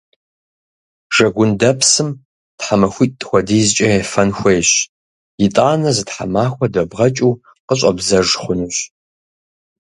Жэгундэпсым тхьэмахуитӏ хуэдизкӏэ ефэн хуейщ. Итӏанэ зы тхьэмахуэ дэбгъэкӏыу къыщӏэбдзэж хъунущ.